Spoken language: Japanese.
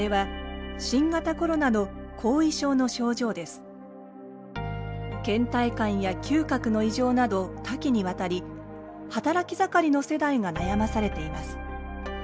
これはけん怠感や嗅覚の異常など多岐にわたり働き盛りの世代が悩まされています。